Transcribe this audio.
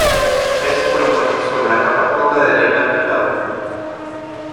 Estos fueron puestos sobre una capa honda de arena y grava.